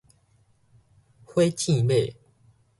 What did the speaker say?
火箭馬